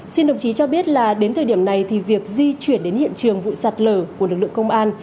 xin đồng chí cho biết là đến thời điểm này thì việc di chuyển đến hiện trường vụ sạt lở của lực lượng công an